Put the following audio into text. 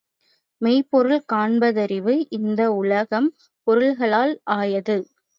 மெய்ப்பொருள் காண்பதறிவு இந்த உலகம் பொருள்களால் ஆயது.